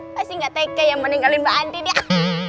masih ga tegek yang meninggalin mbak andin ya